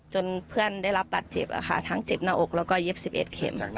เพื่อนได้รับบัตรเจ็บทั้งเจ็บหน้าอกแล้วก็เย็บ๑๑เข็ม